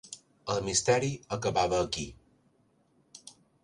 El misteri acabava aquí.